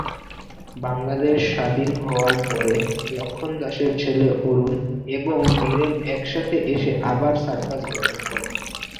বাংলাদেশ স্বাধীন হওয়ার পরে লক্ষ্মণ দাসের ছেলে অরুণ এবং বীরেন একসাথে এসে আবার সার্কাস গঠন করেন।